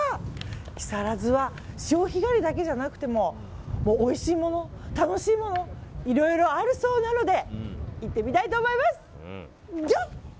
木更津は潮干狩りだけじゃなくてもおいしいもの、楽しいものいろいろあるそうなので行ってみたいと思います！